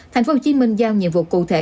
thành phố hồ chí minh giao nhiệm vụ cụ thể